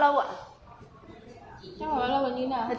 trong khoảng bao lâu là như thế nào